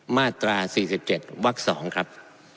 มาตรา๔๗วัก๒ครับ